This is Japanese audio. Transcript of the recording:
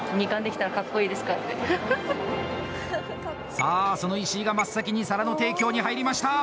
さあ、その石井が真っ先に皿の提供に入りました！